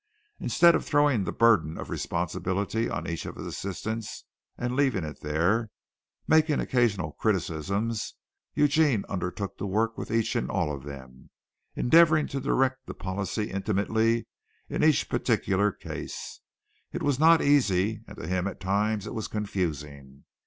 Instead of throwing the burden of responsibility on each of his assistants and leaving it there, making occasional criticisms, Eugene undertook to work with each and all of them, endeavoring to direct the policy intimately in each particular case. It was not easy, and to him at times it was confusing.